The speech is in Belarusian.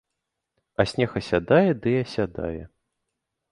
А снег асядае ды асядае.